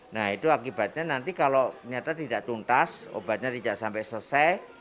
nah itu akibatnya nanti kalau ternyata tidak tuntas obatnya tidak sampai selesai